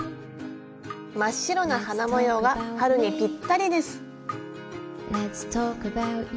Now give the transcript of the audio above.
真っ白な花模様が春にぴったりです。